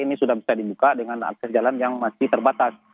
ini sudah bisa dibuka dengan akses jalan yang masih terbatas